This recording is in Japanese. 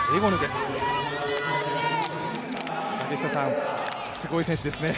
すごい選手ですね。